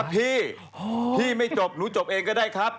พี่พี่ไม่จบหนูจบเองก็ได้ครับ